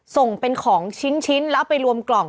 ส่งเป็นของชิ้นแล้วไปรวมกล่อง